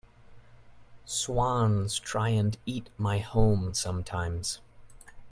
Swans try and eat my home sometimes.